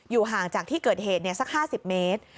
อยู่ห่างจากที่เกิดเหตุเนี่ยสัก๕๐เมตร